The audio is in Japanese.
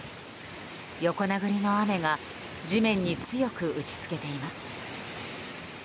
横殴りの雨が地面に強く打ちつけています。